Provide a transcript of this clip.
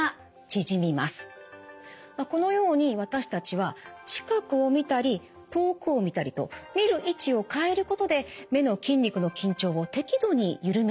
まあこのように私たちは近くを見たり遠くを見たりと見る位置を変えることで目の筋肉の緊張を適度にゆるめているわけです。